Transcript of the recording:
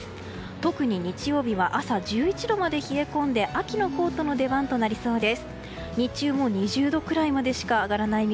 特に日曜日は朝１１時度まで冷え込んで秋のコートの出番となりそうです。